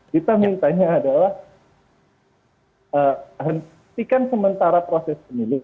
kita mintanya adalah hentikan sementara proses pemilu